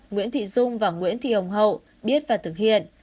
nguyễn thị dung và nguyễn thị hồng hậu biết và thực hiện